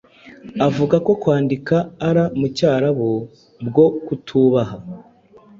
avuga ko Kwandika Allah mu cyarabu bwo kutubaha